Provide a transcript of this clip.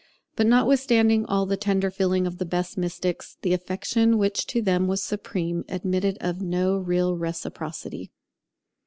But notwithstanding all the tender feeling of the best mystics, the affection which to them was supreme admitted of no real reciprocity.